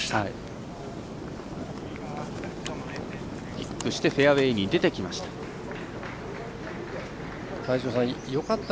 キックしてフェアウエーに出てきました。